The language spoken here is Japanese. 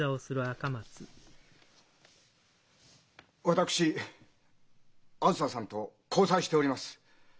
私あづささんと交際しております。